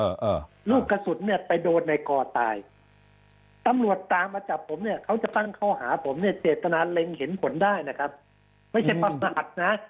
เออลูกกระสุนเนี่ยไปโดนในกอตายตำรวจตามมาจับผมเนี่ยเขาจะตั้งข้อหาผมเนี่ยเจตนาเล็งเห็นผลได้นะครับไม่ใช่ประมาทนะ